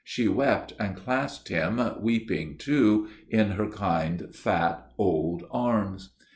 She wept and clasped him, weeping too, in her kind, fat old arms.